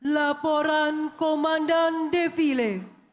laporan komandan defile